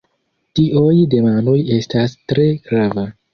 Tioj demandoj estas tre grava!